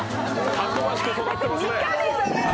たくましく育ってますね。